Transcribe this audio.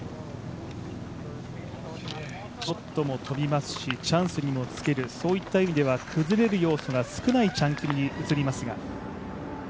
ショットも飛びますしチャンスにもつけるそういった意味では崩れる要素が少ないチャン・キムに映ります。